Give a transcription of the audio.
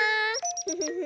フフフ。